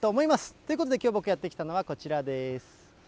ということで、きょう、僕がやって来たのはこちらです。